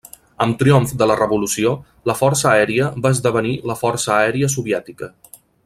Amb triomf de la revolució, la Força Aèria va esdevenir la Força Aèria Soviètica.